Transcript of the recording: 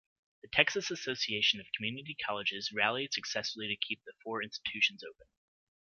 The Texas Association of Community Colleges rallied successfully to keep the four institutions open.